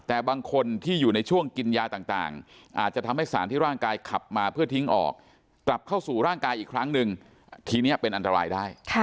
แต่บางคนที่อยู่ในช่วงกินยาต่างอาจจะทำให้สารที่ร่างกายขับมาเพื่อทิ้งออกกลับเข้าสู่ร่างกายอีกครั้งหนึ่งทีนี้เป็นอันตรายได้